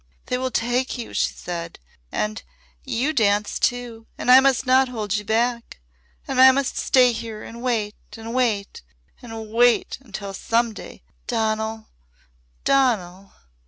"They will take you!" she said. "And you danced too. And I must not hold you back! And I must stay here and wait and wait and wait until some day ! Donal! Donal!"